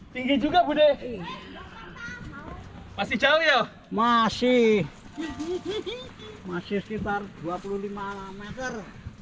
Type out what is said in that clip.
tinggi juga bude masih jauh ya masih sekitar dua puluh lima meter